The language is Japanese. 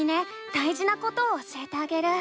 だいじなことを教えてあげる。